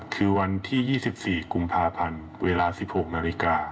คือวันที่๒๔กุมภาพันธ์เวลา๑๖นาฬิกา